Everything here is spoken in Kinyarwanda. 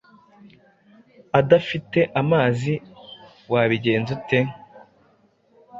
adafite amazi wabigenza ute?